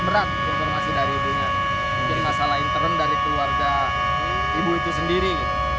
berat informasi dari ibunya menjadi masalah intern dari keluarga ibu itu sendiri